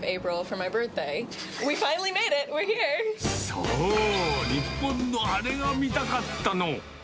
そう、日本のあれが見たかったの。